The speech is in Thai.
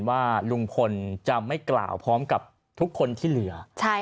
ทั้งหลวงผู้ลิ้น